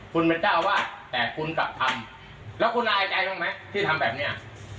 คุณเป็นเจ้าอาวาสแต่หาคุณกลับทำแล้วคุณเราอย่าจะไอใจรึเปล่าที่ทำแบบนี้